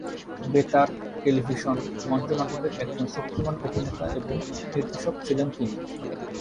বেতার, টেলিভিশন, মঞ্চ নাটকের একজন শক্তিমান অভিনেতা এবং নির্দেশক ছিলেন তিনি।